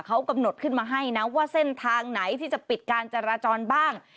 เขากำหนดขึ้นมาให้นะว่าเส้นทางไหนที่จะปิดการจราจรบ้าง